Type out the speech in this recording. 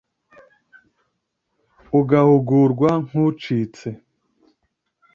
ugahungurwa nk’ucitse